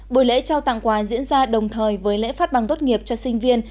buổi lễ trao tặng quà diễn ra đồng thời với lễ phát bằng tốt nghiệp cho sinh viên